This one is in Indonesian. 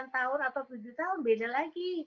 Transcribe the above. delapan tahun atau tujuh tahun beda lagi